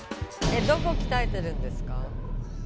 えどこきたえてるんですか？